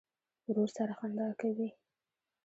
ورور سره خندا کوې.